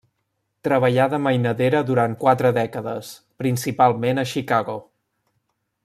Treballà de mainadera durant quatre dècades, principalment a Chicago.